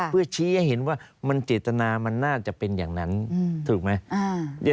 เพื่อชี้ให้เห็นว่ามันเจตนามันน่าจะเป็นอย่างนั้นถูกไหม